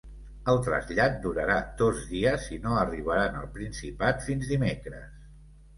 El trasllat durarà dos dies i no arribaran al Principat fins dimecres.